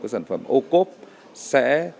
các sản phẩm ô cốp sẽ